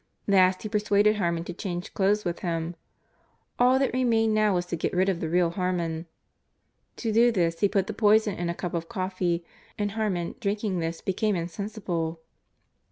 Last he persuaded Harmon to change clothes with him. All that remained now was to get rid of the real Harmon. To do this he put the poison in a cup of coffee, and Harmon, drinking this, became insensible.